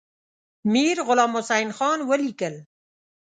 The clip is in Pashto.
میرغلام حسین خان ولیکل.